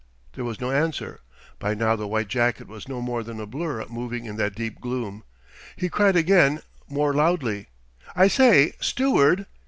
There was no answer. By now the white jacket was no more than a blur moving in that deep gloom. He cried again, more loudly: "I say, steward!"